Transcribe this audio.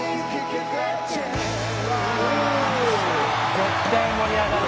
絶対盛り上がる。